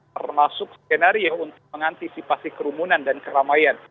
termasuk skenario untuk mengantisipasi kerumunan dan keramaian